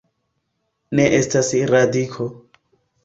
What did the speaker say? Ne estas radiko.